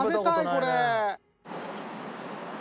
これ。